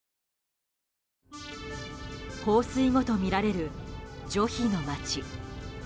放水後とみられるジョヒの街。